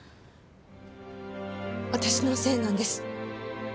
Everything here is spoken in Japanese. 私のせいなんです。